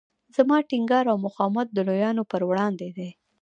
زما ټینګار او مقاومت د لویانو پر وړاندې.